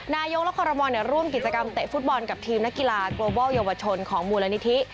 นายกและคอรมอลร่วมกิจกรรมเตะฟุตบอลกับทีมนักกีฬาโกบอลเยาวชนของมูลนิธิ